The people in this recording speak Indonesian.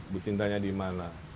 bu cintanya dimana